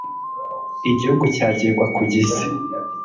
igihugu cyagirwa ku gise